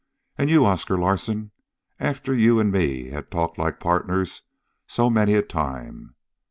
And you, Oscar Larsen, after you and me had talked like partners so many a time!